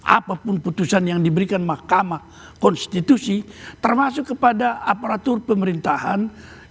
apapun putusan yang diberikan mahkamah konstitusi termasuk kepada aparatur pemerintahan